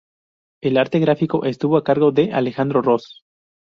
El arte gráfico estuvo a cargo de Alejandro Ros.